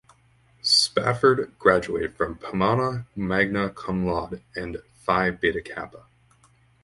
Spafford graduated from Pomona magna cum laude and Phi Beta Kappa.